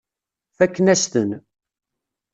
Fakken-as-ten.